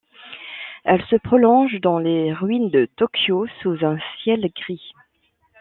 Elle se prolonge dans les ruines de Tokyo, sous un ciel gris.